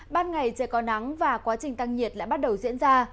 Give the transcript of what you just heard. ban ngày trời có nắng và quá trình tăng nhiệt lại bắt đầu diễn ra